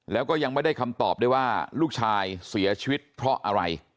แล้วก็ยังไม่ได้คำตอบได้ว่าลูกชายเสียชีวิตเพราะอะไร